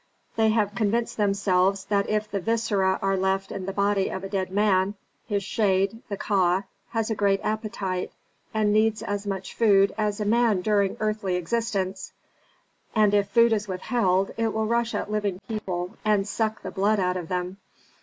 They have convinced themselves that if the viscera are left in the body of a dead man, his shade, the Ka, has a great appetite, and needs as much food as a man during earthly existence, and if food is withheld it will rush at living people and suck the blood out of them.